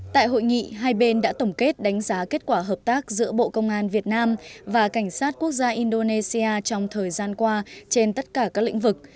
tại hội nghị hai bên đã tổng kết đánh giá kết quả hợp tác giữa bộ công an việt nam và cảnh sát quốc gia indonesia trong thời gian qua trên tất cả các lĩnh vực